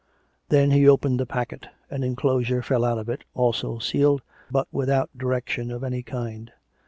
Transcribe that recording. Then he opened the packet; an enclosure fell out of it, also sealed, but without direction of any kind.